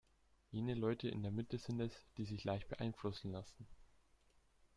Jene Leute in der Mitte sind es, die sich leicht beeinflussen lassen.